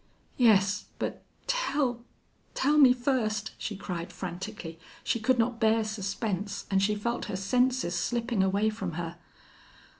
"Yes. But tell tell me first," she cried, frantically. She could not bear suspense, and she felt her senses slipping away from her.